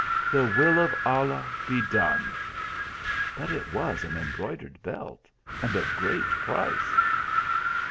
The will of Allah be done ! but it was an embroidered belt and of great price